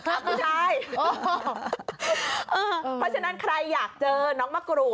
เพราะฉะนั้นใครอยากเจอน้องมะกรูด